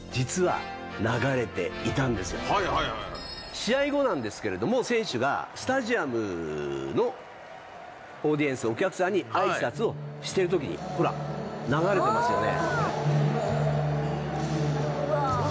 試合後なんですけれども、選手がスタジアムのオーディエンス、お客さんにあいさつをしているとき、ほら流れてますよね？